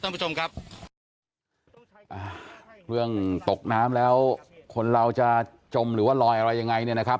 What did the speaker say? ท่านผู้ชมครับอ่าเรื่องตกน้ำแล้วคนเราจะจมหรือว่าลอยอะไรยังไงเนี่ยนะครับ